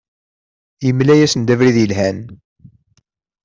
Yemla-asen-d abrid yelhan.